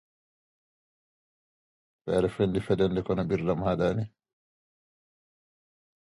This inter-organisational supply network can be acknowledged as a new form of organisation.